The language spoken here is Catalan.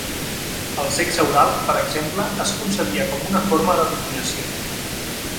El sexe oral, per exemple, es concebia com una forma de dominació.